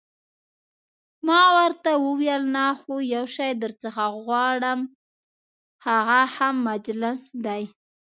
ما ورته وویل: نه، خو یو شی درڅخه غواړم، هغه هم مجلس دی.